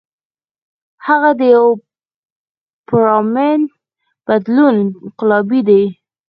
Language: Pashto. هغه د يو پُرامن بدلون انقلابي دے ۔